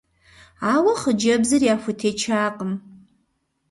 Ауэ хъыджэбзыр яхутечакъым.